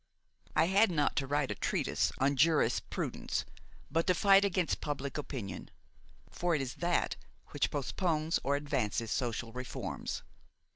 I had not to write a treatise on jurisprudence but to fight against public opinion; for it is that which postpones or advances social reforms.